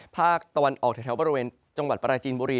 ภาคตะวันออกแถวบริเวณจังหวัดปราจีนบุรี